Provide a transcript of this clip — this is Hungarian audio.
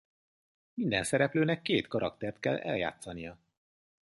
Minden szereplőnek két karaktert kell eljátszania.